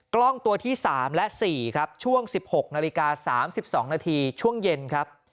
กล้องตัวที่๓และ๔ครับช่วง๑๖นาฬิกา๓๒นาทีช่วงเย็นครับ